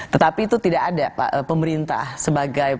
tetapi itu tidak ada pak pemerintah sebagai